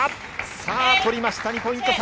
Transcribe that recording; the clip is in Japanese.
さあ、取りました、２ポイント差。